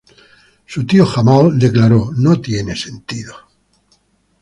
Su tío Jamal declaró: "No tiene sentido.